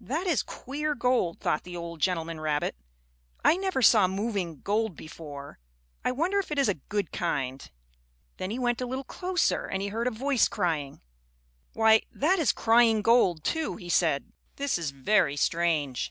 "That is queer gold," thought the old gentleman rabbit. "I never saw moving gold before. I wonder if it is a good kind." Then he went a little closer and he heard a voice crying. "Why, that is crying gold, too," he said. "This is very strange."